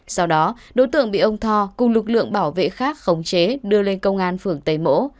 sau đó đối tượng bị ông tho cùng lực lượng bảo vệ khác khống chế đưa lên công an phường tây mỗ